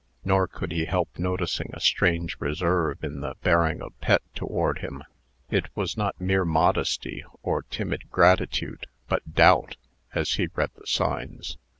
Nor could he help noticing a strange reserve in the bearing of Pet toward him. It was not mere modesty, or timid gratitude, but DOUBT, as he read the signs.